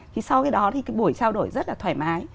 thì sau cái đó thì cái buổi trao đổi rất là thoải mái